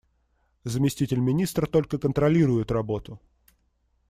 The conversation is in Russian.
Заместитель министра только контролирует работу.